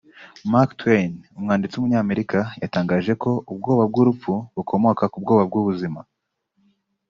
Mark Twain (umwanditsi w’umunyamerika) yatangajeko “Ubwoba bw’urupfu bukomoka k’ubwoba bw’ubuzima